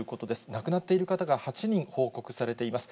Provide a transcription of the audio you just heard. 亡くなっている方が８人報告されています。